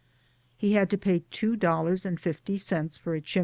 He had to pay two dollars and fifty cents for a 270.